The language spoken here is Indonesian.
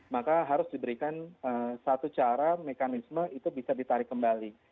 maka harus diberikan satu cara mekanisme itu bisa ditarik kembali